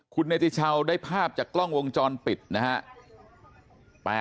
คุณเนติชาวได้ภาพจากกล้องวงจรปิดนะฮะ